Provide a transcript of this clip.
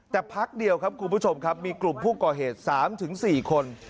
แต่พักเดียวครับคุณผู้ชมครับมีกลุ่มผู้ก่อเหตุ๓๔คน